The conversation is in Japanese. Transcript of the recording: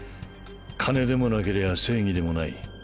金でもなけりゃ正義でもない。